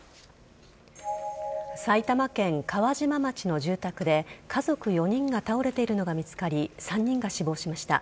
埼玉県川島町の住宅で家族４人が倒れているのが見つかり３人が死亡しました。